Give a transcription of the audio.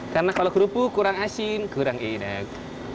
karena kalau kerupuk kurang asin kurang enak